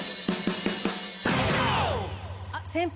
あっ先輩。